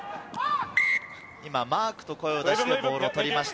今、マーク！と声を出して、ボールを取りました。